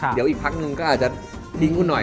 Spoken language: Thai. เดี๋ยวอีกพักนึงก็อาจจะทิ้งกูหน่อย